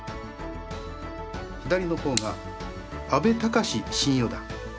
左の方が阿部隆新四段。